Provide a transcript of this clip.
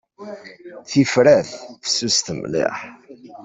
Tifrat fessuset mliḥ.